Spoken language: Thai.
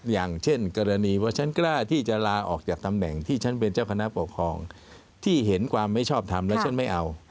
อย่างเช่นกรณีว่าฉันกล้าที่จะลาออกจากตำแหน่งที่ฉันเป็นเจ้าคณะปกครองที่เห็นความไม่ชอบทำแล้วฉันไม่เอา